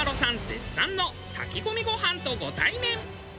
絶賛の炊き込みご飯とご対面。